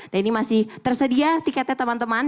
dan ini masih tersedia tiketnya teman teman